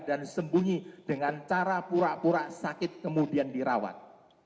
dan sembunyi dengan cara pura pura sakit kemudian dirawat